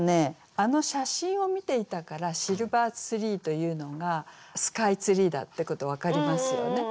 あの写真を見ていたから「シルバーツリー」というのがスカイツリーだってこと分かりますよね。